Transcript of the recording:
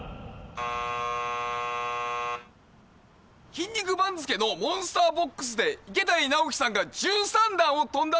「筋肉番付」のモンスターボックスで池谷直樹さんが１３段を跳んだ